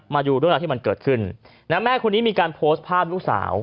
มาดูเรื่องราวที่มันเกิดขึ้นนะแม่คนนี้มีการโพสต์ภาพลูกสาว